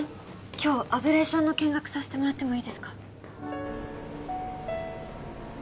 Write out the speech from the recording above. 今日アブレーションの見学させてもらってもいいですか？